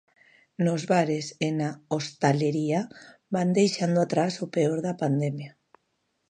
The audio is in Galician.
Nos bares e na hostalería, van deixando atrás o peor da pandemia.